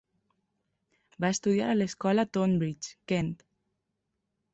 Va estudiar a l'escola Tonbridge, Kent.